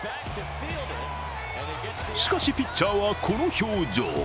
しかしピッチャーはこの表情。